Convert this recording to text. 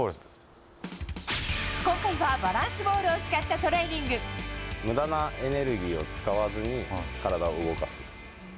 今回は、バランスボールを使むだなエネルギーを使わずに、体を動かす。